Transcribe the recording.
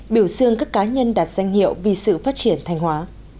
biểu dương các cá nhân đạt danh hiệu vì sự phát triển thanh hóa